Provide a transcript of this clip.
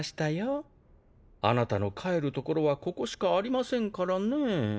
あなたの帰る所はここしかありませんからねぇ。